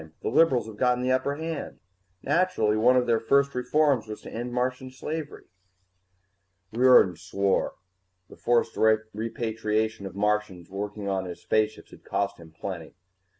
The liberals have gotten the upper hand. Naturally, one of their first reforms was to end Martian slavery." Riordan swore. The forced repatriation of Martians working on his spaceships had cost him plenty.